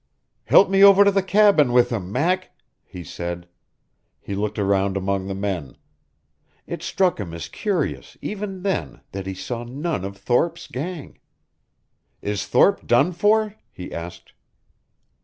"Help me over to the cabin with him, Mac," he said. He looked around among the men. It struck him as curious, even then, that he saw none of Thorpe's gang. "Is Thorpe done for?" he asked.